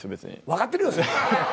分かってるよ。